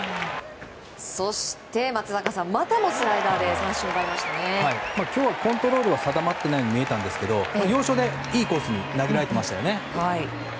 そして、松坂さんまたもスライダーで今日は、コントロールは定まっていないように見えたんですけど要所でいいコースに投げられていましたね。